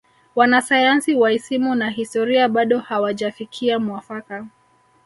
wanasayansi wa isimu na historia bado hawajafikia mwafaka